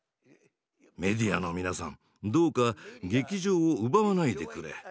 メディアの皆さんどうか「劇場」を奪わないでくれ。